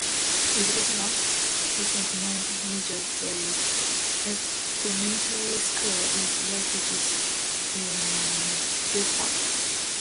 With this most recent merger, the elementary school is located in Gildford.